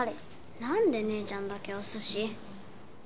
何で姉ちゃんだけお寿司？